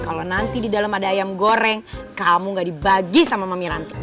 kalau nanti di dalam ada ayam goreng kamu nggak dibagi sama mami ranti